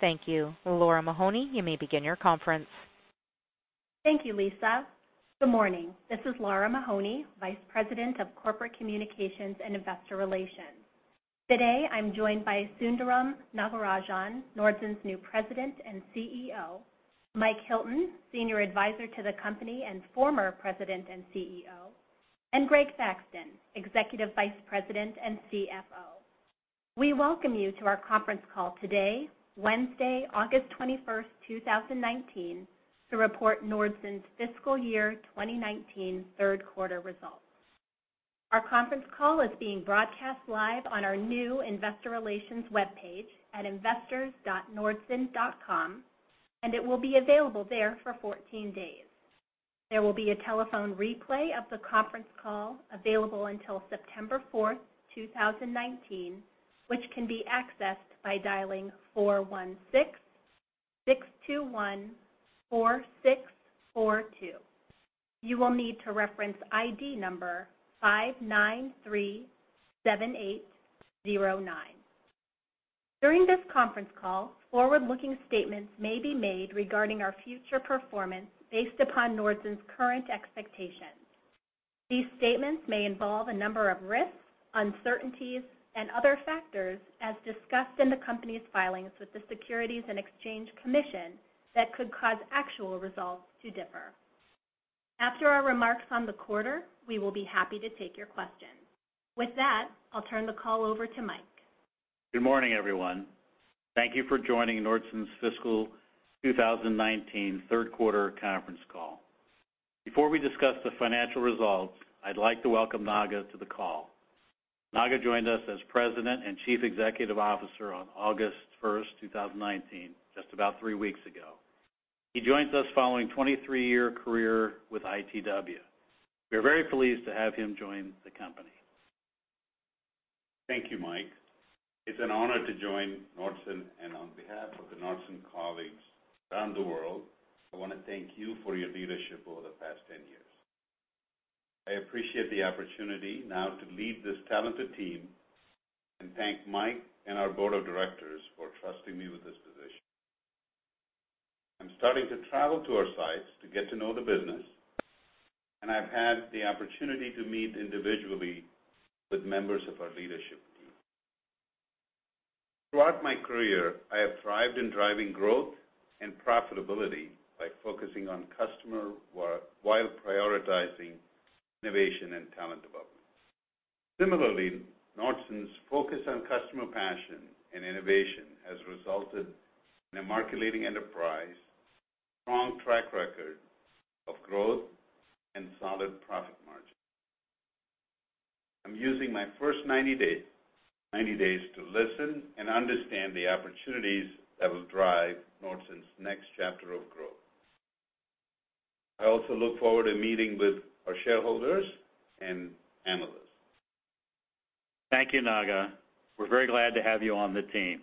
Thank you. Lara Mahoney, you may begin your conference. Thank you, Lisa. Good morning. This is Lara Mahoney, Vice President of Corporate Communications and Investor Relations. Today, I'm joined by Sundaram Nagarajan, Nordson's new President and CEO, Mike Hilton, Senior Advisor to the company and former President and CEO, and Greg Thaxton, Executive Vice President and CFO. We welcome you to our conference call today, Wednesday, August 21st, 2019, to report Nordson's Fiscal Year 2019 Third Quarter Results. Our conference call is being broadcast live on our new investor relations webpage at investors.nordson.com, and it will be available there for 14 days. There will be a telephone replay of the conference call available until September 4th, 2019, which can be accessed by dialing 416-621-4642. You will need to reference ID number 5937809. During this conference call, forward-looking statements may be made regarding our future performance based upon Nordson's current expectations. These statements may involve a number of risks, uncertainties, and other factors, as discussed in the company's filings with the Securities and Exchange Commission that could cause actual results to differ. After our remarks on the quarter, we will be happy to take your questions. With that, I'll turn the call over to Mike. Good morning, everyone. Thank you for joining Nordson's Fiscal 2019 Third Quarter Conference Call. Before we discuss the financial results, I'd like to welcome Naga to the call. Naga joined us as President and Chief Executive Officer on August 1st, 2019, just about 3 weeks ago. He joins us following a 23-year career with ITW. We are very pleased to have him join the company. Thank you, Mike. It's an honor to join Nordson. On behalf of the Nordson colleagues around the world, I wanna thank you for your leadership over the past 10 years. I appreciate the opportunity now to lead this talented team and thank Mike and our board of directors for trusting me with this position. I'm starting to travel to our sites to get to know the business, and I've had the opportunity to meet individually with members of our leadership team. Throughout my career, I have thrived in driving growth and profitability by focusing on customer work while prioritizing innovation and talent development. Similarly, Nordson's focus on customer passion and innovation has resulted in a market-leading enterprise, strong track record of growth, and solid profit margin. I'm using my first 90 days to listen and understand the opportunities that will drive Nordson's next chapter of growth. I also look forward to meeting with our shareholders and analysts. Thank you, Naga. We're very glad to have you on the team.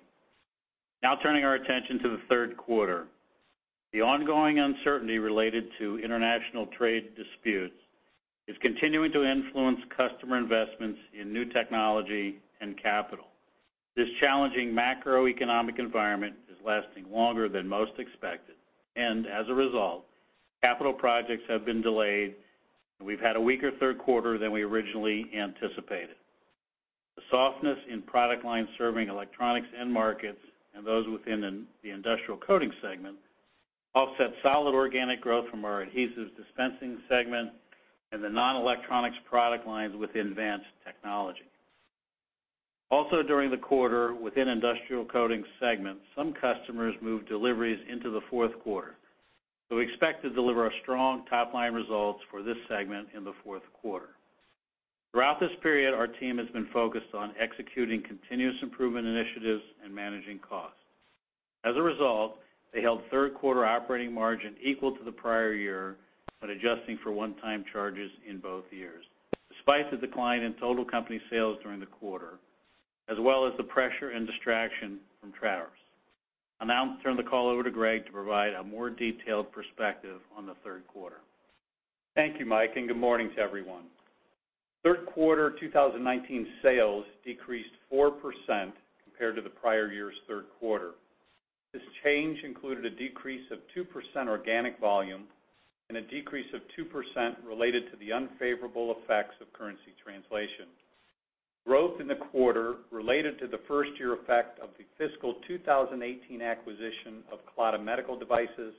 Now turning our attention to the third quarter. The ongoing uncertainty related to international trade disputes is continuing to influence customer investments in new technology and capital. This challenging macroeconomic environment is lasting longer than most expected, and as a result, capital projects have been delayed, and we've had a weaker third quarter than we originally anticipated. The softness in product lines serving electronics end markets and those within the Industrial Coatings segment offset solid organic growth from our Adhesive Dispensing segment and the non-electronics product lines with Advanced Technology. Also, during the quarter, within Industrial Coatings segment, some customers moved deliveries into the fourth quarter, so we expect to deliver our strong top-line results for this segment in the fourth quarter. Throughout this period, our team has been focused on executing continuous improvement initiatives and managing costs. As a result, they held third quarter operating margin equal to the prior year, but adjusting for one-time charges in both years, despite the decline in total company sales during the quarter, as well as the pressure and distraction from tariffs. I'll now turn the call over to Greg Thaxton to provide a more detailed perspective on the third quarter. Thank you, Mike, and good morning to everyone. Third quarter 2019 sales decreased 4% compared to the prior year's third quarter. This change included a decrease of 2% organic volume and a decrease of 2% related to the unfavorable effects of currency translation. Growth in the quarter related to the first year effect of the fiscal 2018 acquisition of Claddagh Medical Devices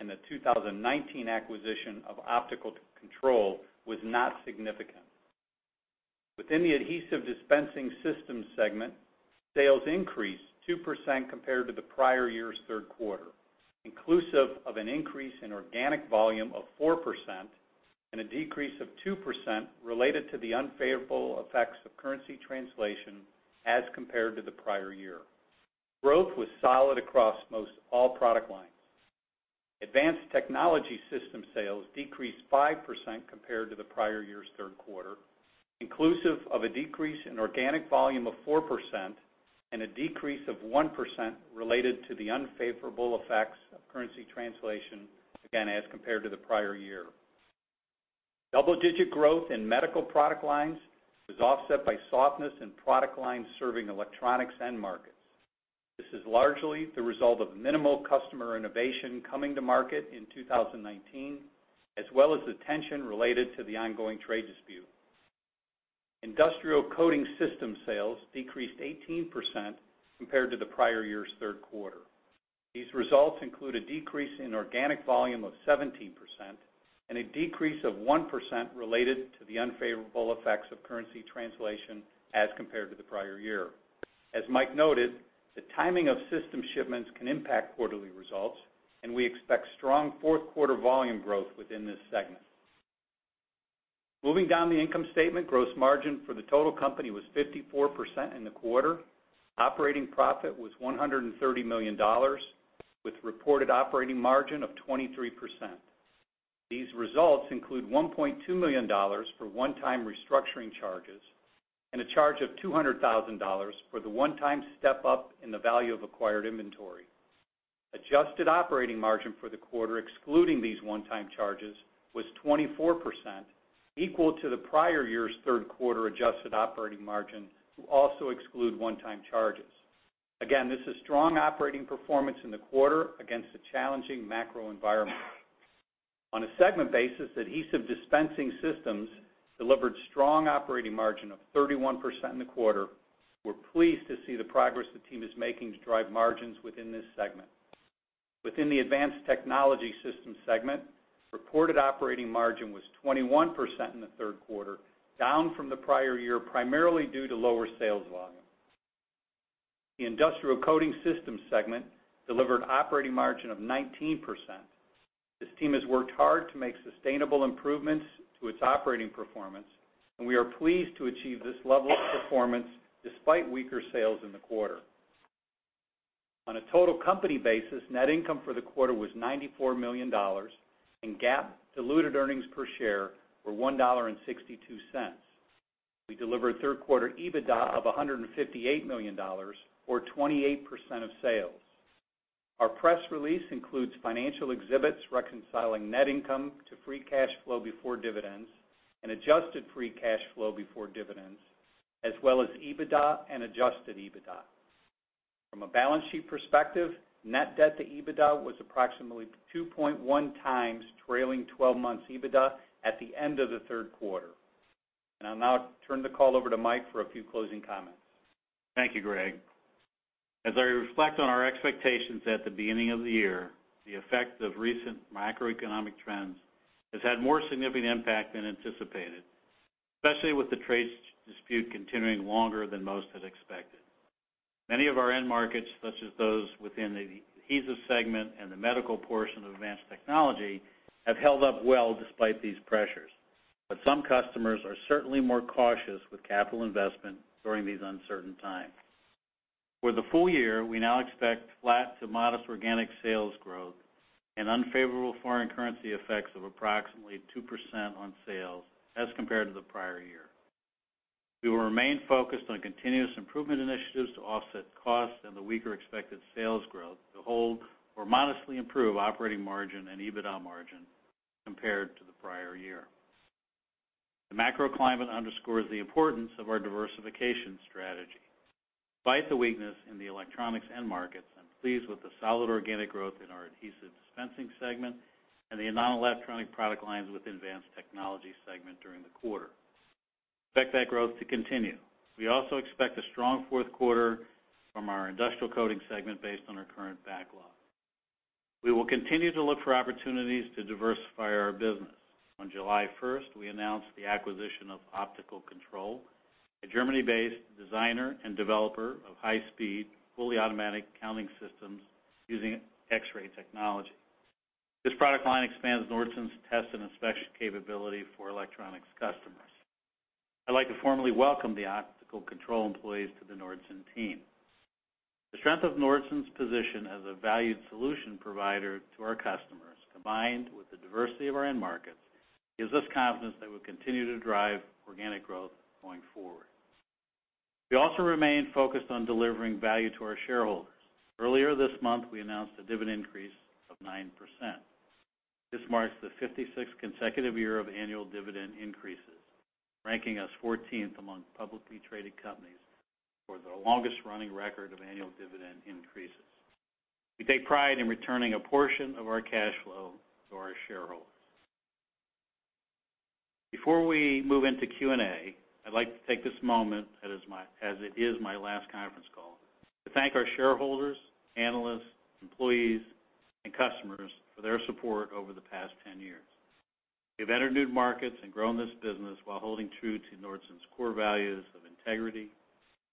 and the 2019 acquisition of Optical Control GMBH was not significant. Within the Adhesive Dispensing Systems segment, sales increased 2% compared to the prior year's third quarter, inclusive of an increase in organic volume of 4% and a decrease of 2% related to the unfavorable effects of currency translation as compared to the prior year. Growth was solid across most all product lines. Advanced Technology Systems sales decreased 5% compared to the prior year's third quarter, inclusive of a decrease in organic volume of 4% and a decrease of 1% related to the unfavorable effects of currency translation, again, as compared to the prior year. Double-digit growth in medical product lines was offset by softness in product lines serving electronics end markets. This is largely the result of minimal customer innovation coming to market in 2019, as well as the tension related to the ongoing trade dispute. Industrial Coating Systems sales decreased 18% compared to the prior year's third quarter. These results include a decrease in organic volume of 17% and a decrease of 1% related to the unfavorable effects of currency translation as compared to the prior year. As Mike noted, the timing of system shipments can impact quarterly results, and we expect strong fourth quarter volume growth within this segment. Moving down the income statement, gross margin for the total company was 54% in the quarter. Operating profit was $130 million with reported operating margin of 23%. These results include $1.2 million for one-time restructuring charges and a charge of $200 thousand for the one-time step up in the value of acquired inventory. Adjusted operating margin for the quarter, excluding these one-time charges, was 24%, equal to the prior year's third quarter adjusted operating margin, to also exclude one-time charges. Again, this is strong operating performance in the quarter against a challenging macro environment. On a segment basis, Adhesive Dispensing Systems delivered strong operating margin of 31% in the quarter. We're pleased to see the progress the team is making to drive margins within this segment. Within the Advanced Technology Systems segment, reported operating margin was 21% in the third quarter, down from the prior year, primarily due to lower sales volume. The Industrial Coating Systems segment delivered operating margin of 19%. This team has worked hard to make sustainable improvements to its operating performance, and we are pleased to achieve this level of performance despite weaker sales in the quarter. On a total company basis, net income for the quarter was $94 million and GAAP diluted earnings per share were $1.62. We delivered third quarter EBITDA of $158 million or 28% of sales. Our press release includes financial exhibits reconciling net income to free cash flow before dividends and adjusted free cash flow before dividends, as well as EBITDA and adjusted EBITDA. From a balance sheet perspective, net debt to EBITDA was approximately 2.1 times trailing 12 months EBITDA at the end of the third quarter. I'll now turn the call over to Mike for a few closing comments. Thank you, Greg. As I reflect on our expectations at the beginning of the year, the effect of recent macroeconomic trends has had more significant impact than anticipated, especially with the trade dispute continuing longer than most had expected. Many of our end markets, such as those within the adhesive segment and the medical portion of advanced technology, have held up well despite these pressures. Some customers are certainly more cautious with capital investment during these uncertain times. For the full year, we now expect flat to modest organic sales growth and unfavorable foreign currency effects of approximately 2% on sales as compared to the prior year. We will remain focused on continuous improvement initiatives to offset costs and the weaker expected sales growth to hold or modestly improve operating margin and EBITDA margin compared to the prior year. The macro climate underscores the importance of our diversification strategy. Despite the weakness in the electronics end markets, I'm pleased with the solid organic growth in our Adhesive Dispensing segment and the non-electronic product lines within Advanced Technology segment during the quarter. Expect that growth to continue. We also expect a strong fourth quarter from our Industrial Coating segment based on our current backlog. We will continue to look for opportunities to diversify our business. On July 1st, we announced the acquisition of Optical Control, a Germany-based designer and developer of high-speed, fully automatic counting systems using X-ray technology. This product line expands Nordson's test and inspection capability for electronics customers. I'd like to formally welcome the Optical Control employees to the Nordson team. The strength of Nordson's position as a valued solution provider to our customers, combined with the diversity of our end markets, gives us confidence that we'll continue to drive organic growth going forward. We also remain focused on delivering value to our shareholders. Earlier this month, we announced a dividend increase of 9%. This marks the 56th consecutive year of annual dividend increases, ranking us 14th among publicly traded companies for the longest-running record of annual dividend increases. We take pride in returning a portion of our cash flow to our shareholders. Before we move into Q&A, I'd like to take this moment, as it is my last conference call, to thank our shareholders, analysts, employees, and customers for their support over the past 10 years. We've entered new markets and grown this business while holding true to Nordson's core values of integrity,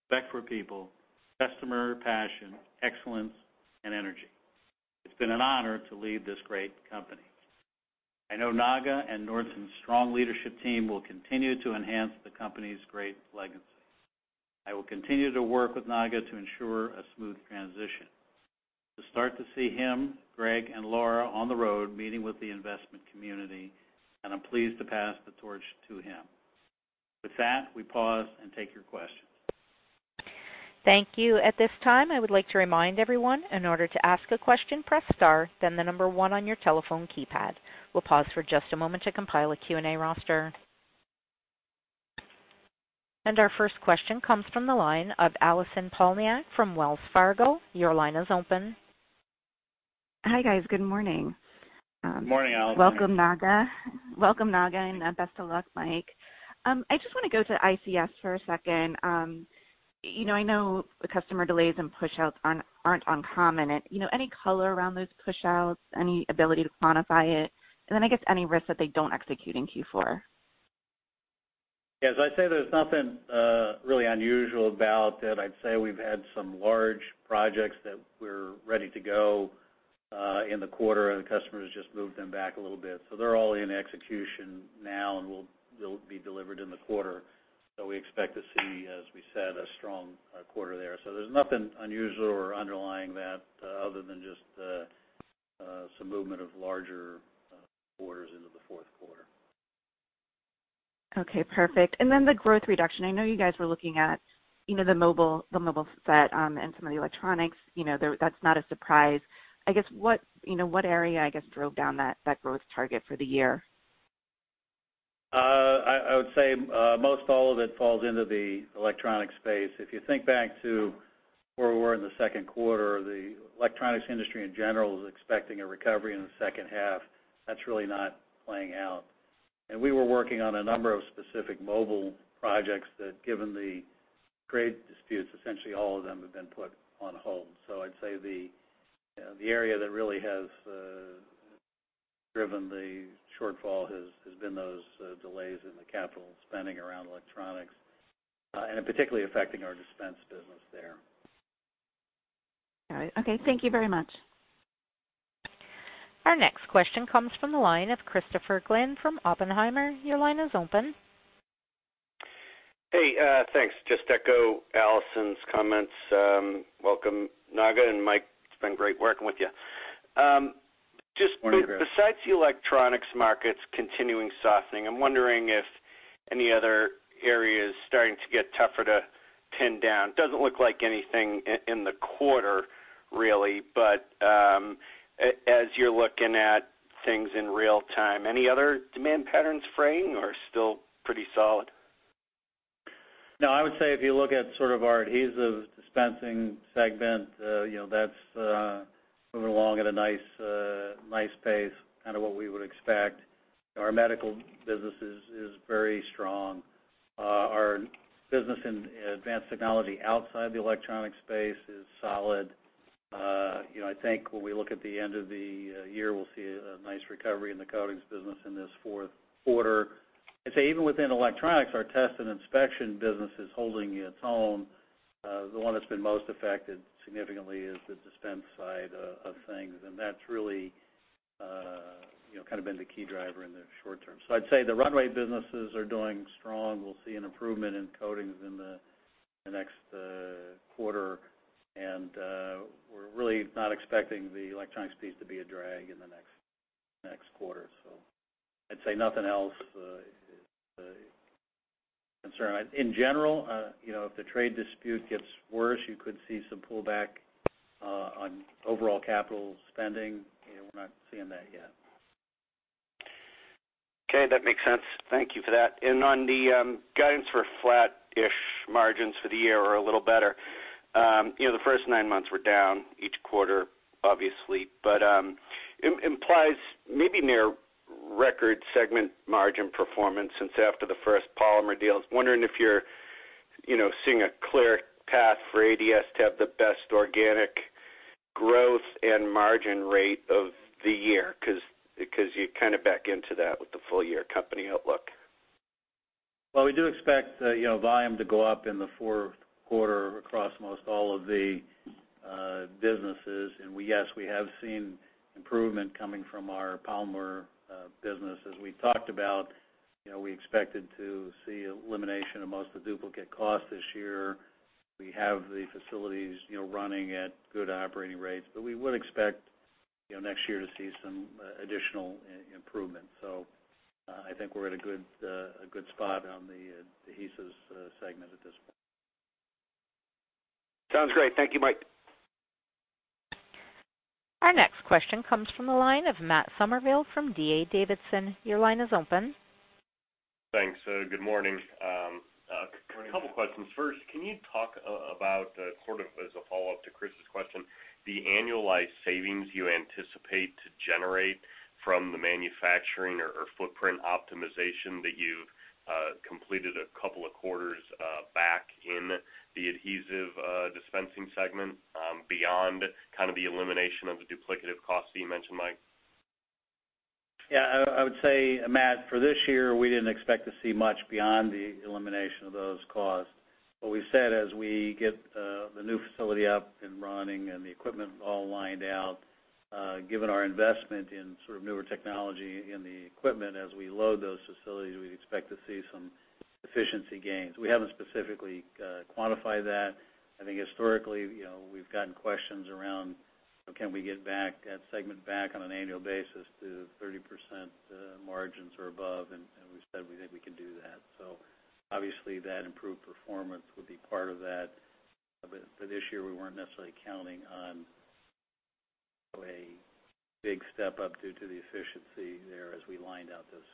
respect for people, customer passion, excellence, and energy. It's been an honor to lead this great company. I know Naga and Nordson's strong leadership team will continue to enhance the company's great legacy. I will continue to work with Naga to ensure a smooth transition. You'll start to see him, Greg, and Laura on the road, meeting with the investment community, and I'm pleased to pass the torch to him. With that, we pause and take your questions. Thank you. At this time, I would like to remind everyone, in order to ask a question, press star, then the number one on your telephone keypad. We'll pause for just a moment to compile a Q&A roster. Our first question comes from the line of Allison Poliniak from Wells Fargo. Your line is open. Hi, guys. Good morning. Morning, Allison. Welcome, Naga. Welcome, Naga, and best of luck, Mike. I just wanna go to ICS for a second. You know, I know the customer delays and pushouts aren't uncommon. You know, any color around those pushouts, any ability to quantify it? I guess any risk that they don't execute in Q4. Yes. I'd say there's nothing really unusual about that. I'd say we've had some large projects that we're ready to go in the quarter, and the customers just moved them back a little bit. They're all in execution now and will be delivered in the quarter. We expect to see, as we said, a strong quarter there. There's nothing unusual or underlying that other than just some movement of larger orders into the fourth quarter. Okay, perfect. The growth reduction. I know you guys were looking at, you know, the mobile set, and some of the electronics, you know. That's not a surprise. I guess, what, you know, what area, I guess, drove down that growth target for the year? I would say most all of it falls into the electronics space. If you think back to where we were in the second quarter, the electronics industry in general is expecting a recovery in the second half. That's really not playing out. We were working on a number of specific mobile projects that, given the trade disputes, essentially all of them have been put on hold. I'd say you know the area that really has driven the shortfall has been those delays in the capital spending around electronics and particularly affecting our dispense business there. All right. Okay, thank you very much. Our next question comes from the line of Christopher Glynn from Oppenheimer. Your line is open. Hey, thanks. Just to echo Allison's comments, welcome, Naga. Mike, it's been great working with you. Just Morning, Chris. Besides the electronics markets continuing softening, I'm wondering if any other areas starting to get tougher to pin down. Doesn't look like anything in the quarter, really, but, as you're looking at things in real time, any other demand patterns fraying or still pretty solid? No, I would say if you look at sort of our adhesive dispensing segment, you know, that's moving along at a nice pace, kind of what we would expect. Our medical businesses is very strong. Our business in advanced technology outside the electronic space is solid. You know, I think when we look at the end of the year, we'll see a nice recovery in the coatings business in this fourth quarter. I'd say even within electronics, our test and inspection business is holding its own. The one that's been most affected significantly is the dispensing side of things, and that's really, you know, kind of been the key driver in the short term. I'd say the runway businesses are doing strong. We'll see an improvement in coatings in the next quarter. We're really not expecting the electronics piece to be a drag in the next quarter. I'd say nothing else is a concern. In general, you know, if the trade dispute gets worse, you could see some pullback on overall capital spending. You know, we're not seeing that yet. Okay, that makes sense. Thank you for that. On the guidance for flat-ish margins for the year or a little better, you know, the first nine months were down each quarter, obviously. Implies maybe near record segment margin performance since after the first Polymer deal. I was wondering if you're, you know, seeing a clear path for ADS to have the best organic growth and margin rate of the year because you kind of back into that with the full-year company outlook. Well, we do expect, you know, volume to go up in the fourth quarter across most all of the businesses. Yes, we have seen improvement coming from our Polymer business. As we talked about, you know, we expected to see elimination of most of the duplicate costs this year. We have the facilities, you know, running at good operating rates. We would expect, you know, next year to see some additional improvement. I think we're at a good spot on the adhesive segment at this point. Sounds great. Thank you, Mike. Our next question comes from the line of Matt Summerville from D.A. Davidson. Your line is open. Thanks. Good morning. A couple questions. First, can you talk about, sort of as a follow-up to Chris's question, the annualized savings you anticipate to generate from the manufacturing or footprint optimization that you've completed a couple of quarters back in the adhesive dispensing segment, beyond kind of the elimination of the duplicative costs that you mentioned, Mike? Yeah. I would say, Matt, for this year, we didn't expect to see much beyond the elimination of those costs. What we've said as we get the new facility up and running and the equipment all lined out, given our investment in sort of newer technology in the equipment, as we load those facilities, we'd expect to see some efficiency gains. We haven't specifically quantified that. I think historically, you know, we've gotten questions around. So can we get that segment back on an annual basis to 30% margins or above? We said we think we can do that. Obviously, that improved performance will be part of that. This year, we weren't necessarily counting on a big step up due to the efficiency there as we lined out this.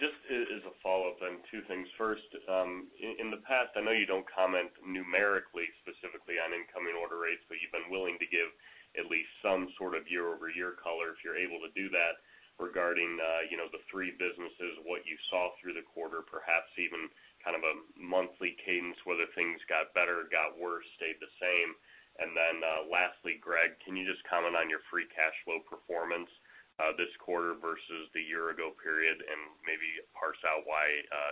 Just as a follow-up, two things. First, in the past, I know you don't comment numerically, specifically on incoming order rates, but you've been willing to give at least some sort of year-over-year color, if you're able to do that, regarding, you know, the three businesses, what you saw through the quarter, perhaps even kind of a monthly cadence, whether things got better, got worse, stayed the same. Lastly, Greg, can you just comment on your free cash flow performance, this quarter versus the year ago period and maybe parse out why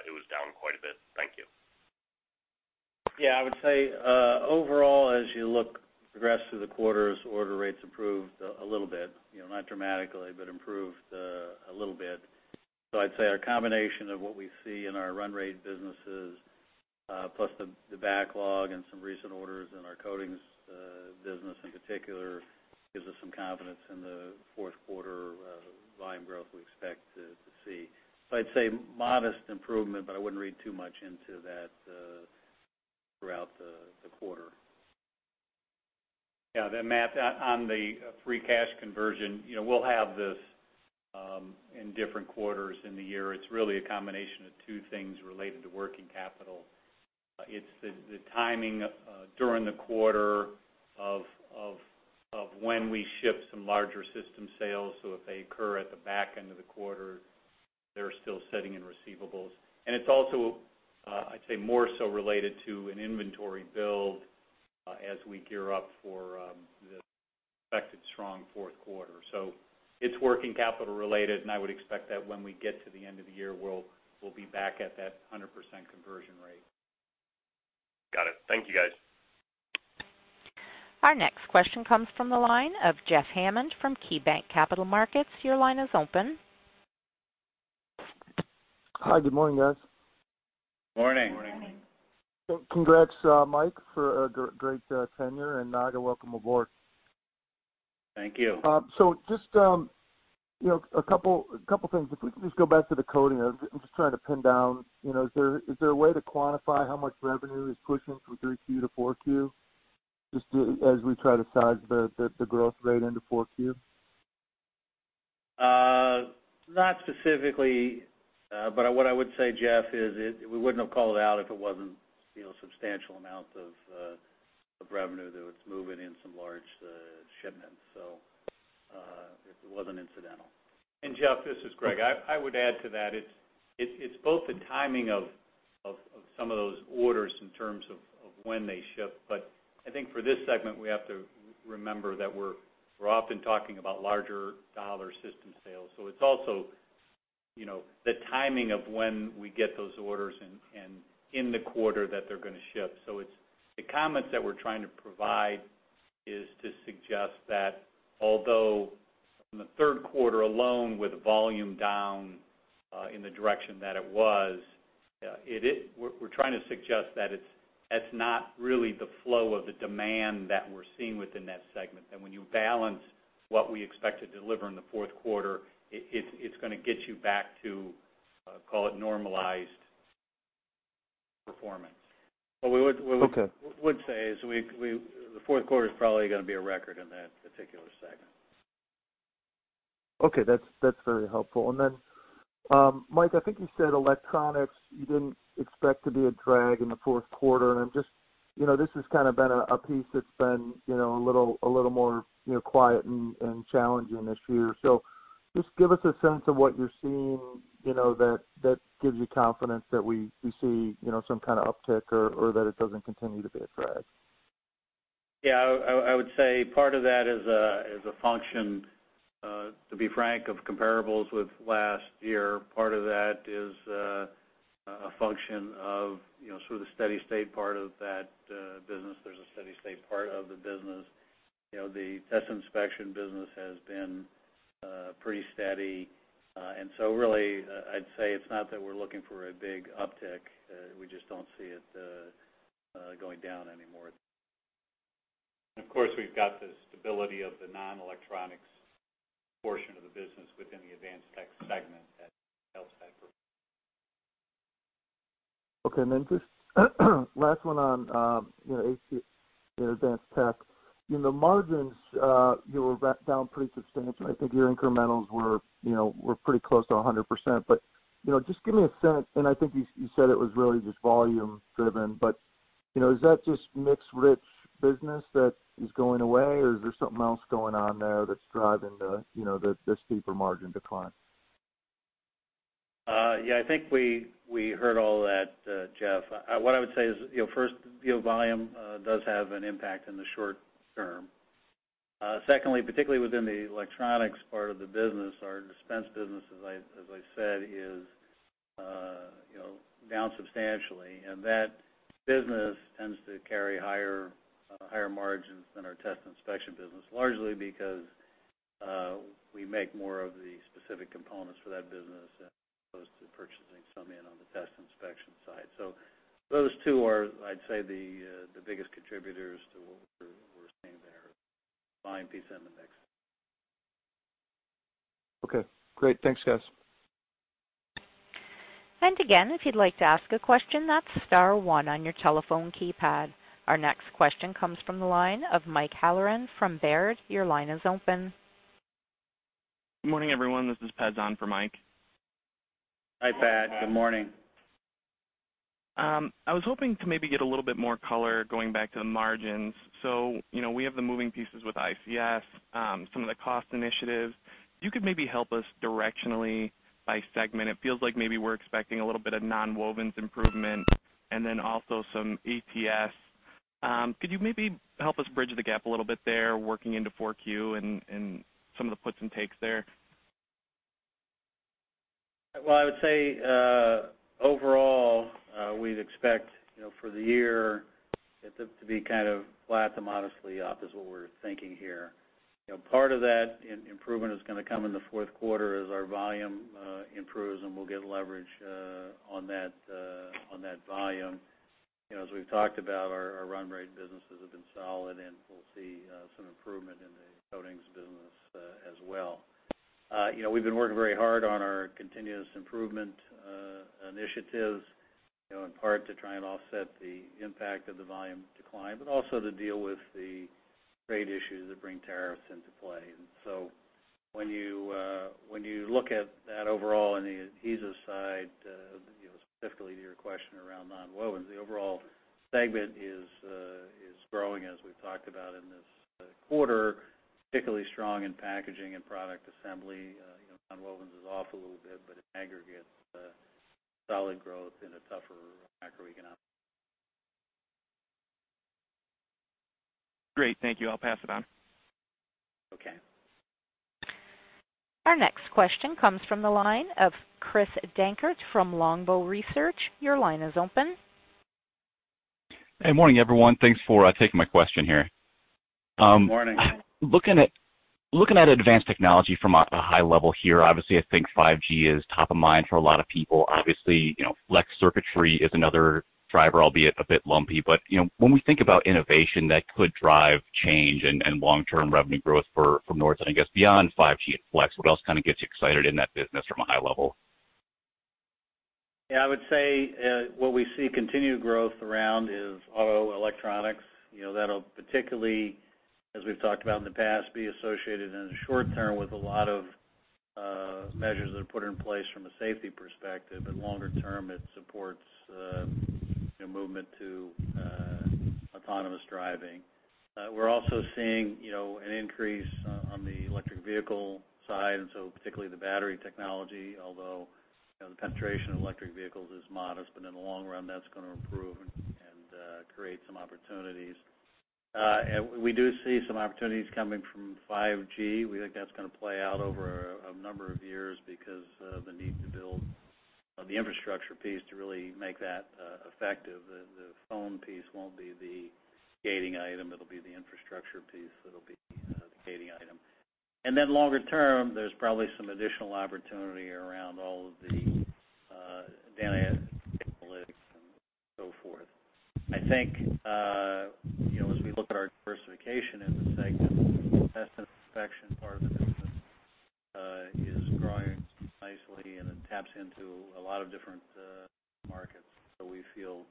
it was down quite a bit? Thank you. Yeah, I would say overall, as you look at progress through the quarters, order rates improved a little bit, you know, not dramatically, but improved a little bit. I'd say our combination of what we see in our run rate businesses plus the backlog and some recent orders in our coatings business in particular gives us some confidence in the fourth quarter volume growth we expect to see. I'd say modest improvement, but I wouldn't read too much into that throughout the quarter. Yeah. Matt, on the free cash conversion, you know, we'll have this in different quarters in the year. It's really a combination of two things related to working capital. It's the timing during the quarter of when we ship some larger system sales. If they occur at the back end of the quarter, they're still sitting in receivables. It's also, I'd say more so related to an inventory build as we gear up for the expected strong fourth quarter. It's working capital related, and I would expect that when we get to the end of the year, we'll be back at that 100% conversion rate. Got it. Thank you, guys. Our next question comes from the line of Jeff Hammond from KeyBanc Capital Markets. Your line is open. Hi. Good morning, guys. Morning. Morning. Congrats, Mike, for a great tenure, and Naga, welcome aboard. Thank you. Just a couple things. If we could just go back to the coating. I'm just trying to pin down, you know, is there a way to quantify how much revenue is pushing from 3Q to 4Q just as we try to size the growth rate into 4Q? Not specifically. What I would say, Jeff, is it, we wouldn't have called it out if it wasn't, you know, a substantial amount of revenue that was moving in some large shipments. It wasn't incidental. Jeff, this is Greg. I would add to that. It's both the timing of some of those orders in terms of when they ship. I think for this segment, we have to remember that we're often talking about larger dollar system sales. It's also, you know, the timing of when we get those orders in the quarter that they're gonna ship. It's the comments that we're trying to provide is to suggest that although from the third quarter alone with volume down in the direction that it was, it is. We're trying to suggest that it's not really the flow of the demand that we're seeing within that segment. When you balance what we expect to deliver in the fourth quarter, it's gonna get you back to, call it, normalized performance. Okay. What we would say is the fourth quarter is probably gonna be a record in that particular segment. Okay. That's very helpful. Mike, I think you said electronics you didn't expect to be a drag in the fourth quarter. I'm just, you know, this has kind of been a piece that's been, you know, a little more, you know, quiet and challenging this year. Just give us a sense of what you're seeing, you know, that gives you confidence that we see, you know, some kind of uptick or that it doesn't continue to be a drag. Yeah. I would say part of that is a function, to be frank, of comparables with last year. Part of that is a function of, you know, sort of the steady state part of that business. There's a steady state part of the business. You know, the test inspection business has been pretty steady. Really, I'd say it's not that we're looking for a big uptick. We just don't see it going down anymore. Of course, we've got the stability of the non-electronics portion of the business within the Advanced Technology Systems segment that helps that growth. Okay. Just last one on, you know, ATS -- Advanced Tech. You know, margins, you were down pretty substantially. I think your incrementals were, you know, pretty close to 100%. You know, just give me a sense, and I think you said it was really just volume driven. You know, is that just mix rich business that is going away, or is there something else going on there that's driving the, you know, the steeper margin decline? Yeah, I think we heard all that, Jeff. What I would say is, you know, first, you know, volume does have an impact in the short term. Secondly, particularly within the electronics part of the business, our dispense business, as I said, is, you know, down substantially. That business tends to carry higher margins than our test inspection business, largely because we make more of the specific components for that business as opposed to purchasing some in on the test inspection side. Those two are, I'd say, the biggest contributors to what we're seeing there. Volume piece in the mix. Okay, great. Thanks, guys. Again, if you'd like to ask a question, that's star one on your telephone keypad. Our next question comes from the line of Michael Halloran from Baird. Your line is open. Good morning, everyone. This is Pat John for Mike. Hi, Pat. Good morning. I was hoping to maybe get a little bit more color going back to the margins. You know, we have the moving pieces with ICS, some of the cost initiatives. You could maybe help us directionally by segment. It feels like maybe we're expecting a little bit of Nonwovens improvement and then also some ATS. Could you maybe help us bridge the gap a little bit there working into Q4 and some of the puts and takes there? Well, I would say overall, we'd expect, you know, for the year it'll be kind of flat to modestly up is what we're thinking here. You know, part of that improvement is gonna come in the fourth quarter as our volume improves, and we'll get leverage on that volume. You know, as we've talked about, our run rate businesses have been solid, and we'll see some improvement in the coatings business as well. You know, we've been working very hard on our continuous improvement initiatives, you know, in part to try and offset the impact of the volume decline, but also to deal with the trade issues that bring tariffs into play. When you look at that overall on the adhesives side, you know, specifically to your question around Nonwovens, the overall segment is growing, as we've talked about in this quarter. Particularly strong in packaging and product assembly. You know, Nonwovens is off a little bit, but in aggregate, solid growth in a tougher macroeconomic environment. Great. Thank you. I'll pass it on. Okay. Our next question comes from the line of Christopher Dankert from Longbow Research. Your line is open. Good morning, everyone. Thanks for taking my question here. Good morning. Looking at advanced technology from a high level here, obviously, I think 5G is top of mind for a lot of people. Obviously, you know, flex circuitry is another driver, albeit a bit lumpy. You know, when we think about innovation that could drive change and long-term revenue growth from Nordson, I guess beyond 5G and flex, what else kinda gets you excited in that business from a high level? Yeah, I would say what we see continued growth around is auto electronics. You know, that'll particularly, as we've talked about in the past, be associated in the short term with a lot of measures that are put in place from a safety perspective, but longer term, it supports you know movement to autonomous driving. We're also seeing you know an increase on the electric vehicle side, and so particularly the battery technology, although you know the penetration of electric vehicles is modest, but in the long run, that's gonna improve and create some opportunities. We do see some opportunities coming from 5G. We think that's gonna play out over a number of years because of the need to build the infrastructure piece to really make that effective. The phone piece won't be the gating item, it'll be the infrastructure piece that'll be the gating item. Then longer term, there's probably some additional opportunity around all of the data analytics and so forth. I think you know, as we look at our diversification in the segment, the test and inspection part of the business is growing nicely and it taps into a lot of different markets. We feel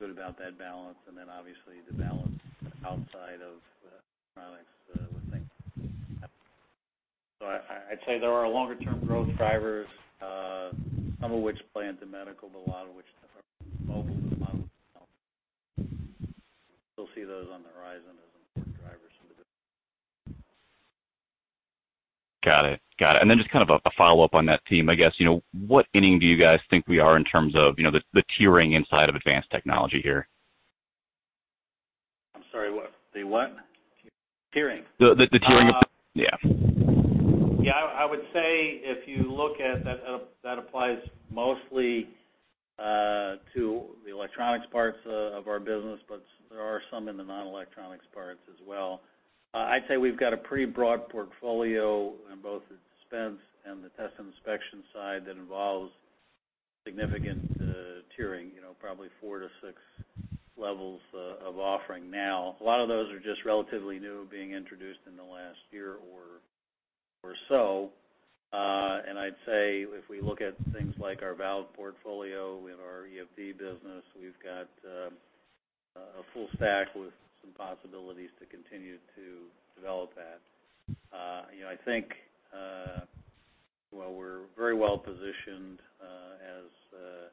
good about that balance, and then obviously the balance outside of the electronics would make. I'd say there are longer term growth drivers, some of which play into medical, but a lot of which differ from mobile. You'll see those on the horizon as important drivers for the business. Got it. Just kind of a follow-up on that theme, I guess, you know, what inning do you guys think we are in terms of, you know, the tiering inside of advanced technology here? I'm sorry, what? The what? Tiering. Yeah. Yeah, I would say if you look at that applies mostly to the electronics parts of our business, but there are some in the non-electronics parts as well. I'd say we've got a pretty broad portfolio in both the dispense and the test and inspection side that involves significant tiering. You know, probably four to six levels of offering now. A lot of those are just relatively new, being introduced in the last year or so. I'd say if we look at things like our valve portfolio in our EFD business, we've got a full stack with some possibilities to continue to develop that. You know, I think, well, we're very well positioned as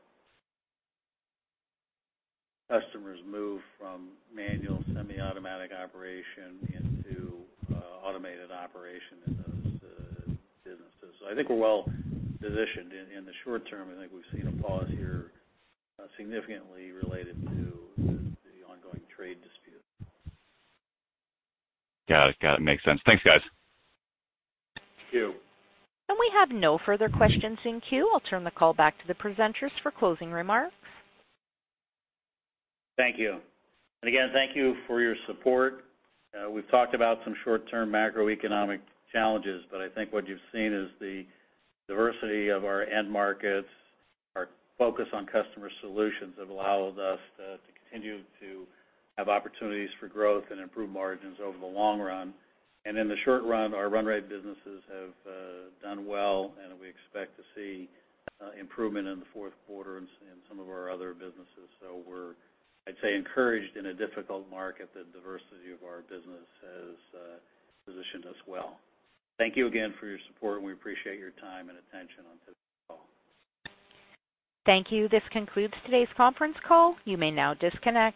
customers move from manual semi-automatic operation into automated operation in those businesses. I think we're well positioned. In the short term, I think we've seen a pause here, significantly related to the ongoing trade dispute. Got it. Makes sense. Thanks, guys. Thank you. We have no further questions in queue. I'll turn the call back to the presenters for closing remarks. Thank you. Again, thank you for your support. We've talked about some short-term macroeconomic challenges, but I think what you've seen is the diversity of our end markets, our focus on customer solutions have allowed us to continue to have opportunities for growth and improve margins over the long run. In the short run, our run rate businesses have done well, and we expect to see improvement in the fourth quarter in some of our other businesses. We're, I'd say, encouraged in a difficult market. The diversity of our business has positioned us well. Thank you again for your support, and we appreciate your time and attention on today's call. Thank you. This concludes today's conference call. You may now disconnect.